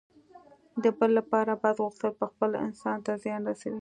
د بل لپاره بد غوښتل پخپله انسان ته زیان رسوي.